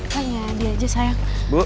sayang ini dia aja sayang